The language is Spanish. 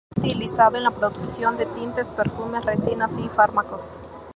Es utilizado en la producción de tintes, perfumes, resinas y fármacos.